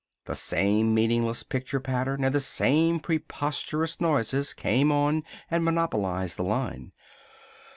The same meaningless picture pattern and the same preposterous noises came on and monopolized the line.